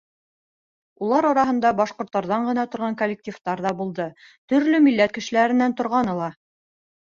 Улар араһында башҡорттарҙан ғына торған коллективтар ҙа булды, төрлө милләт кешеләренән торғаны ла.